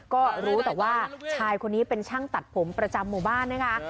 ก็รู้แต่ว่าชายคนนี้เป็นช่างตัดผมประจำหมู่บ้านนะคะ